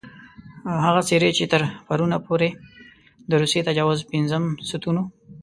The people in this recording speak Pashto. هغه څېرې چې تر پرونه پورې د روسي تجاوز پېنځم ستون وو.